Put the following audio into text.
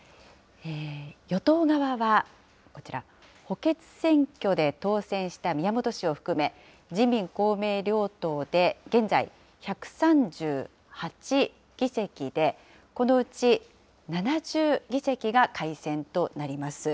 与党側は、こちら補欠選挙で当選した宮本氏を含め、自民、公明両党で現在１３８議席で、このうち７０議席が改選となります。